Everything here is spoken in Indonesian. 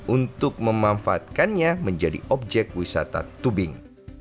untuk memanfaatkannya menjadi objek wisata tubing